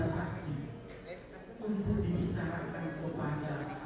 hanya terdiri di istana bu saja